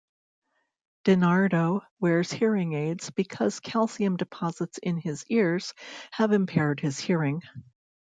DiNardo wears hearing aids because calcium deposits in his ears have impaired his hearing.